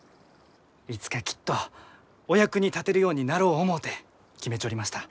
いつかきっとお役に立てるようになろう思うて決めちょりました。